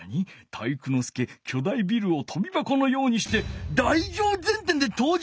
「体育ノ介巨大ビルをとびばこのようにして台上前転で登場」？